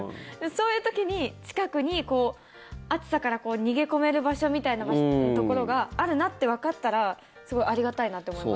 そういう時に、近くに暑さから逃げ込める場所みたいなところがあるなってわかったらすごいありがたいなと思います。